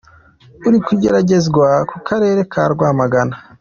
Uri kugeragerezwa mu Karere ka Rwamagana.